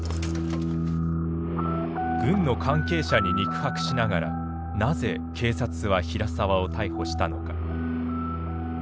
軍の関係者に肉薄しながらなぜ警察は平沢を逮捕したのか。